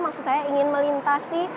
maksud saya ingin melintasi